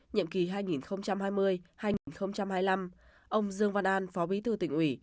nhiệm kỳ hai nghìn hai mươi hai nghìn hai mươi năm ông dương văn an phó bí thư tỉnh ủy